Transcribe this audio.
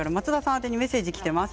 宛てにメッセージです。